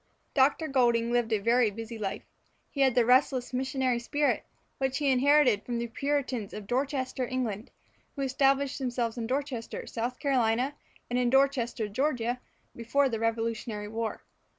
Dr. Goulding lived a busy life. He had the restless missionary spirit which he inherited from the Puritans of Dorchester, England, who established themselves in Dorchester, South Carolina, and in Dorchester, Georgia, before the Revolutionary War.